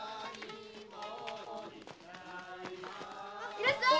いらっしゃい！